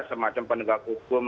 semacam penegakan hukum